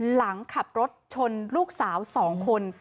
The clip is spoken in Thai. หลังขับรถชนลูกสาว๒คน